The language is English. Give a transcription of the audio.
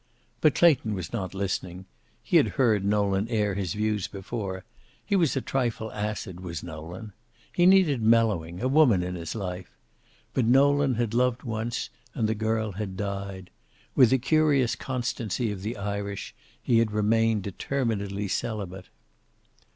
But Clayton was not listening. He had heard Nolan air his views before. He was a trifle acid, was Nolan. He needed mellowing, a woman in his life. But Nolan had loved once, and the girl had died. With the curious constancy of the Irish, he had remained determinedly celibate.